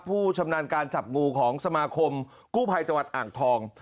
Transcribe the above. ผู้ชำนาญการจับงูของสมาคมกู้ภัยจังหวัดอ่างทอง